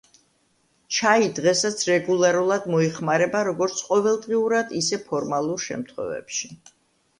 ჩაი დღესაც რეგულარულად მოიხმარება, როგორც ყოველდღიურად ისე ფორმალურ შემთხვევებში.